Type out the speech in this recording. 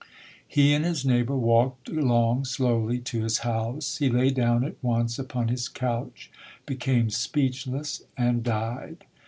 He and his neighbor walked along slowly to his house. He lay down at once upon his couch, became speechless and died.